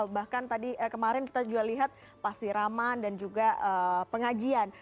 bahkan tadi kemarin kita juga lihat pasiraman dan juga pengajian